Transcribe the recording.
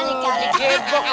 nggak ada yang bisa dikepung